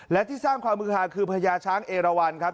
และที่สร้างความมือหาคือพญาช้างเอราวันครับ